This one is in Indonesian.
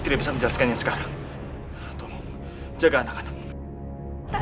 dia belanja yang tidak bisa di intelligen nama